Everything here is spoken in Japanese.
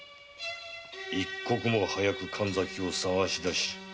一刻も早く神崎を捜し出し始末いたせ！